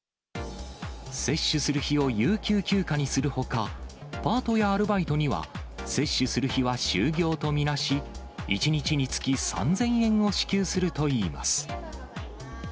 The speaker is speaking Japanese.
接種する日を有給休暇にするほか、パートやアルバイトには、接種する日は就業とみなし、１日につき３０００円を支給するといいます。